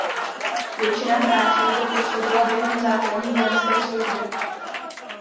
Většina hráčů zde působila během základní vojenské služby.